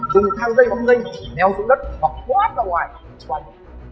dùng thang dây bóng dây nèo xuống đất hoặc thoát ra ngoài quay